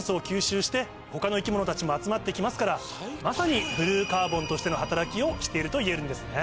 他の生き物たちも集まってきますからまさにブルーカーボンとしての働きをしているといえるんですね。